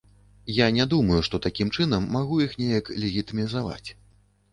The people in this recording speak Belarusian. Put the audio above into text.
Я не думаю, што такім чынам магу іх неяк легітымізаваць.